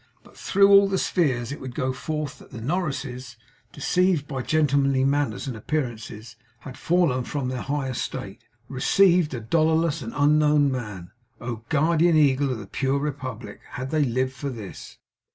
But, through all the spheres it would go forth that the Norrises, deceived by gentlemanly manners and appearances, had, falling from their high estate, 'received' a dollarless and unknown man. O guardian eagle of the pure Republic, had they lived for this!